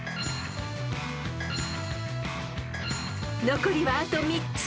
［残りはあと３つ］